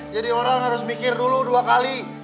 jadi orang harus mikir dulu dua kali